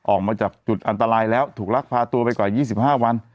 ออกมาจากจุดอันตรายแล้วถูกลักพาตัวไปกว่า๒๕วัน